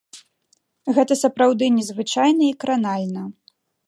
Гэта сапраўды незвычайна і кранальна.